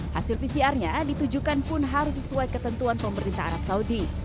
hasil pcr nya ditujukan pun harus sesuai ketentuan pemerintah arab saudi